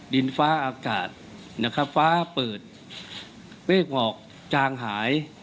ดินฟ้าอากาศฟ้าเปิดเวทงอกจางหาย